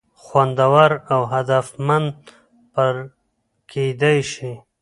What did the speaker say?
خوندور او هدفمند پر کېدى شي.